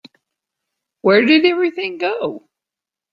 Where did everything go?